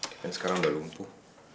kevin sekarang udah lumpuh